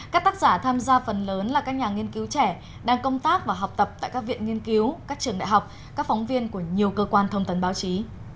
các tác giả tham gia phần lớn là các nhà nghiên cứu trẻ đang công tác và học tập tại các viện nghiên cứu các trường đại học các phóng viên của nhiều cơ quan thông tấn báo chí